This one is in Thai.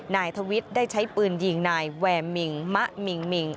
นายทวิทย์ได้ใช้ปืนยิงนายแวร์มิงมะมิงมิง